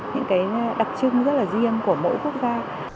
những đặc trưng rất riêng của mỗi quốc gia